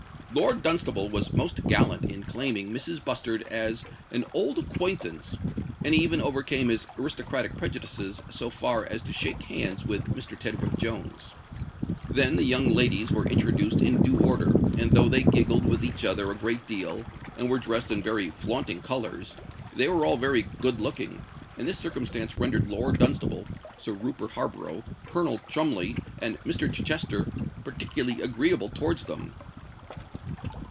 Lord Dunstable was most gallant in claiming Mrs. Bustard as "an old acquaintance;" and he even overcame his aristocratic prejudices so far as to shake hands with Mr. Tedworth Jones. Then the young ladies were introduced in due order; and, though they giggled with each other a great deal, and were dressed in very flaunting colours, they were all very good looking; and this circumstance rendered Lord Dunstable, Sir Rupert Harborough, Colonel Cholmondeley, and Mr. Chichester particularly agreeable towards them.